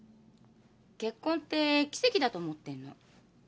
結婚って奇跡だと思ってんの。